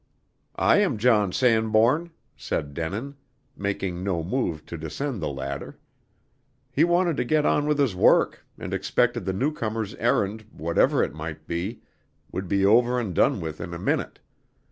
"I am John Sanbourne," said Denin, making no move to descend the ladder. He wanted to get on with his work, and expected the newcomer's errand, whatever it might be, would be over and done with in a minute.